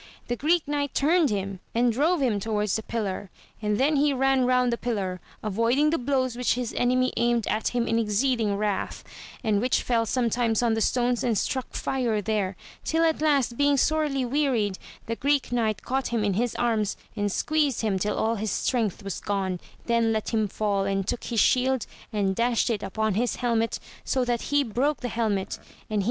The Greek Knight turned him, and drove him towards the pillar, and then he ran round the pillar, avoiding the blows which his enemy aimed at him in exceeding wrath, and which fell sometimes on the stones and struck fire there, till at last being sorely wearied, the Greek Knight caught him in his arms, and squeezed him till all his strength was gone, then let him fall, and took his shield and dashed it upon his helmet so that he broke the helmet, and he AMADI8 OF GAUL.